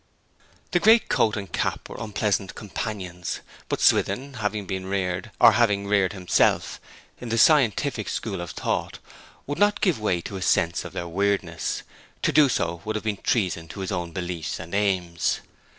The great coat and cap were unpleasant companions; but Swithin having been reared, or having reared himself, in the scientific school of thought, would not give way to his sense of their weirdness. To do so would have been treason to his own beliefs and aims.